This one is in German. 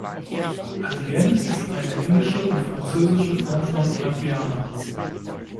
Adrienne ist eine englische und französische Form von Adriana.